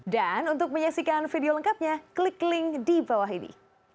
dan untuk menyaksikan video lengkapnya klik link di bawah ini